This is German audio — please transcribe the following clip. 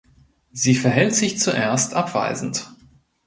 Sie verhält sich zuerst abweisend.